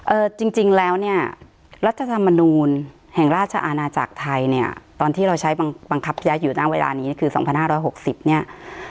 จริงจริงแล้วเนี่ยรัฐธรรมนูลแห่งราชอาณาจักรไทยเนี่ยตอนที่เราใช้บังคับใช้อยู่ณเวลานี้คือสองพันห้าร้อยหกสิบเนี้ย